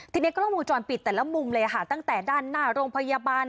ทีนี้กล้องวงจรปิดแต่ละมุมเลยค่ะตั้งแต่ด้านหน้าโรงพยาบาล